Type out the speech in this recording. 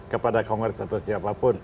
kepada congress atau siapapun